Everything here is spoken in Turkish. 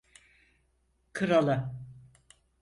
Krala…